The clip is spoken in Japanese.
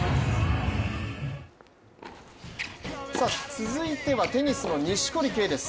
続いてはテニスの錦織圭です。